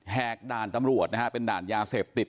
กด่านตำรวจนะฮะเป็นด่านยาเสพติด